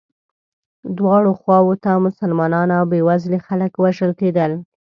دواړو خواوو ته مسلمانان او بیوزلي خلک وژل کېدل.